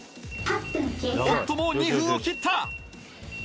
おっともう２分を切った！